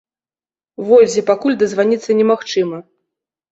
Вользе пакуль дазваніцца немагчыма.